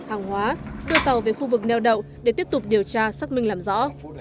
hàng hóa đưa tàu về khu vực neo đậu để tiếp tục điều tra xác minh làm rõ